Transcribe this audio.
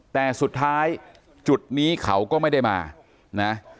แต่สุดท้ายจุดนี้เขาก็ไม่ได้มานะ